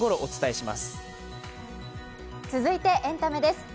続いてエンタメです。